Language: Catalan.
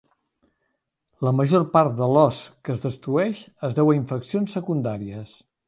La major part de l'os que es destrueix es deu a infeccions secundàries.